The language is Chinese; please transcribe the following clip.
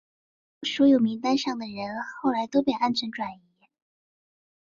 几乎所有名单上的人后来都被安全转移。